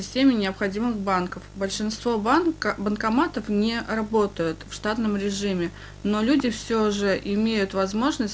tapi orang orang masih dapat mencari uang